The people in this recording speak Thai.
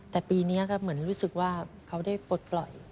แต่ปีนี้ก็เหมือนรู้สึกว่าเขาได้ปลดปล่อย